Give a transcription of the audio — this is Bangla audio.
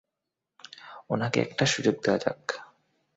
ওনাকে একটা সুযোগ দেওয়া যাক।